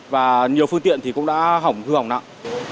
và nhiều phương tiện thì cũng đã hỏng hư hỏng nặng